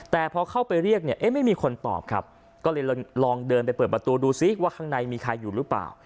แต่พอเข้าไปเรียกเนี่ยเอ๊ะไม่มีคนตอบครับก็เลยลองเดินไปเปิดประตูดูซิว่าข้างในมีใครอยู่หรือเปล่า